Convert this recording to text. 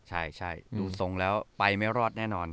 ใช่ดูทรงแล้วไปไม่รอดแน่นอน